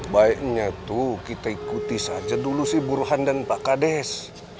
baiknya itu kita ikuti saja dulu sih buruhan dan pak kades